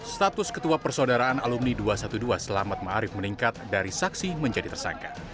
status ketua persaudaraan alumni dua ratus dua belas selamat ⁇ maarif ⁇ meningkat dari saksi menjadi tersangka